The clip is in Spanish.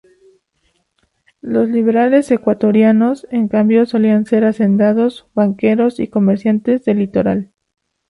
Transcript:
Los liberales ecuatorianos, en cambio, solían ser hacendados, banqueros y comerciantes del litoral.